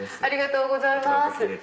ありがとうございます。